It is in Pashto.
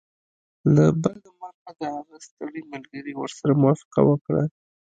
له بده مرغه د هغه ستړي ملګري ورسره موافقه وکړه